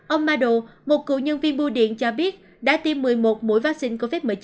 ông madu một cựu nhân viên bưu điện cho biết đã tiêm một mươi một mũi vaccine covid một mươi chín